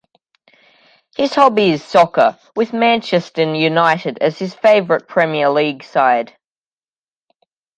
His hobby is soccer, with Manchester United as his favourite Premier league side.